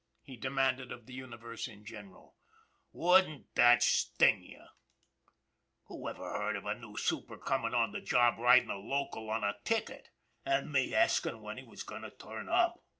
he demanded of the universe in general. " Wouldn't that sting you ? 260 ON THE IRON AT BIG CLOUD Who ever heard of a new super comin' on the job ridin' a local on a ticket! An' me askin' when he was goin' to turn up.